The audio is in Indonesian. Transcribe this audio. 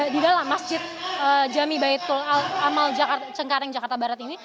di dalam masjid jami baitul amal cengkareng jakarta barat ini